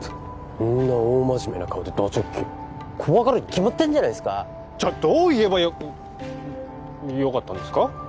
そんな大真面目な顔でド直球怖がるに決まってんじゃないすかじゃあどう言えばよかよかったんですか？